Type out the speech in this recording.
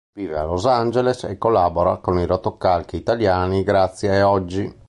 Vive a Los Angeles e collabora con i rotocalchi italiani Grazia e Oggi.